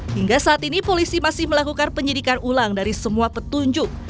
hingga saat ini polisi masih melakukan penyidikan ulang dari semua petunjuk